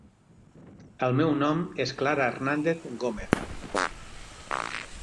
El meu nom és Clara Hernández Gómez.